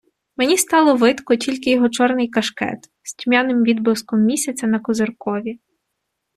Мені стало видко тільки його чорний кашкет з тьмяним відблиском місяця на козиркові.